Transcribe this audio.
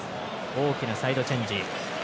大きなサイドチェンジ。